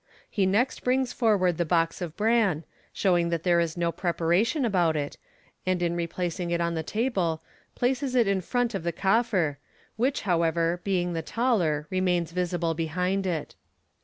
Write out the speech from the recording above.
He next brings forward the box of bran, showing that there is no preparation about it, and in replac ing it on the table, places it in front of the coffer, which, however, being the taller, remains visible behind it.